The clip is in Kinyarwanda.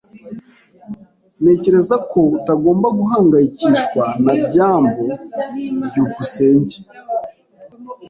Ntekereza ko utagomba guhangayikishwa na byambo. byukusenge